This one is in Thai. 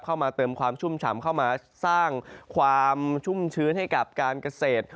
มาเติมความชุ่มฉ่ำเข้ามาสร้างความชุ่มชื้นให้กับการเกษตร